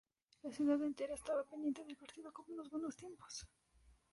La ciudad entera estaba pendiente del partido, como en los buenos tiempos.